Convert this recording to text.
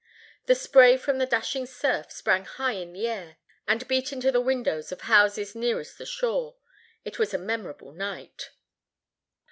The spray from the dashing surf sprang high in the air, and beat into the windows of houses nearest the shore. It was a memorable night.